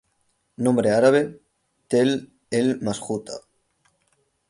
Nombre árabe: Tell el-Masjuta.